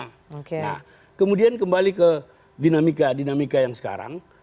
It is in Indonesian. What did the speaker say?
nah kemudian kembali ke dinamika dinamika yang sekarang